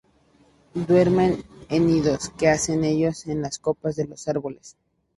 Duermen en nidos, que hacen ellos, en las copas de los árboles.